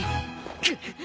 くっ。